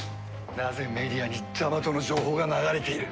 なぜメディアにジャマトの情報が流れている！？